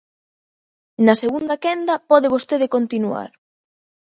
Na segunda quenda pode vostede continuar.